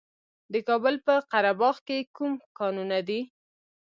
د کابل په قره باغ کې کوم کانونه دي؟